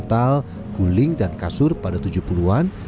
bantal guling dan kasur pada tujuh puluh an